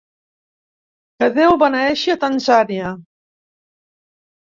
Que Déu beneeixi a Tanzània.